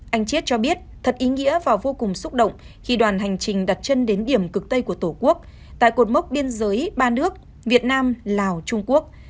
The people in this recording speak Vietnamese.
anh chiết cho biết thật ý nghĩa và vô cùng xúc động khi đoàn hành trình đặt chân đến điểm cực tây của tổ quốc tại cột mốc biên giới ba nước việt nam lào trung quốc